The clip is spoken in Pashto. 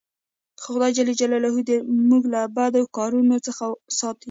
خو خداى جل جلاله دي مو له بدو کارو څخه ساتي.